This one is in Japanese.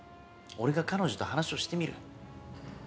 俺が彼女と話をしてみる。